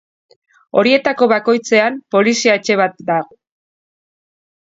Horietako bakoitzean, polizia-etxe bat dago.